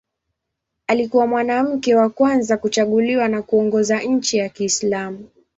Alikuwa mwanamke wa kwanza kuchaguliwa na kuongoza nchi ya Kiislamu.